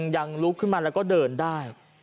ลุกขึ้นมาแล้วก็เดินได้